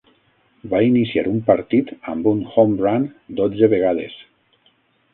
Va iniciar un partit amb un "home run" dotze vegades.